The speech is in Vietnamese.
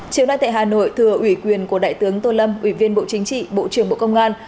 chiều nay tại hà nội thừa ủy quyền của đại tướng tô lâm ủy viên bộ chính trị bộ trưởng bộ công an